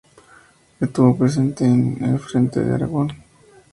Estuvo presente en el frente de Aragón.